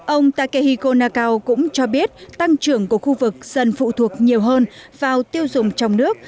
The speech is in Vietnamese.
ông takehiko nakao cũng cho biết tăng trưởng của khu vực dần phụ thuộc nhiều hơn vào tiêu dùng trong nước